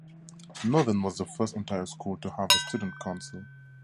Northern was the first Ontario school to have a student council.